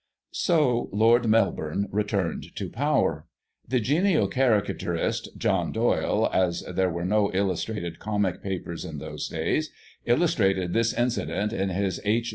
So Lord Melbourne returned to power. The genial Caricaturist John Doyle, as there were no illus trated comic papers in those days, illustrated this incident in his H.